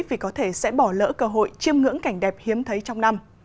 vì có thể sẽ bỏ lỡ cơ hội chiêm ngưỡng cảnh đẹp hiếm thấy trong năm